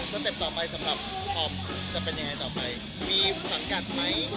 สเต็ปต่อไปสำหรับทอมจะเป็นยังไงต่อไปมีสังกัดไหม